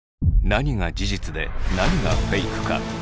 何が事実で何がフェイクか。